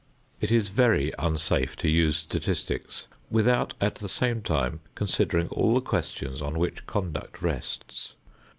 It is very unsafe to use statistics without at the same time considering all the questions on which conduct rests.